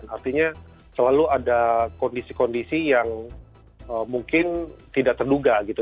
artinya selalu ada kondisi kondisi yang mungkin tidak terduga gitu